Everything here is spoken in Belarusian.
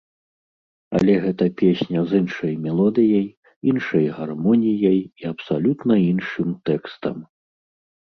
Але гэта песня з іншай мелодыяй, іншай гармоніяй і абсалютна іншым тэкстам.